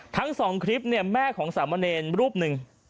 ทั้งสองคลิปเนี่ยแม่ของสามเณรรูปหนึ่ง